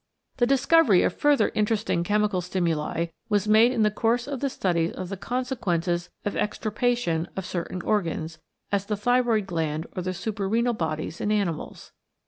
The discovery of further interesting chemical stimuli was made in the course of the studies of the consequences of extirpation of certain organs, as the thyroid gland or the suprarenal bodies in animals.